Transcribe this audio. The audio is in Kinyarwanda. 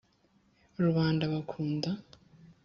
rubanda bakunda